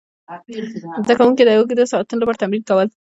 زده کوونکي د اوږدو ساعتونو لپاره تمرین کول.